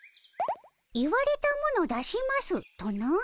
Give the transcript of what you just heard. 「言われたもの出します」とな？